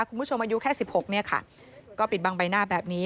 คุณผู้ชมอายุแค่สิบหกเนี่ยค่ะก็ปิดบังใบหน้าแบบนี้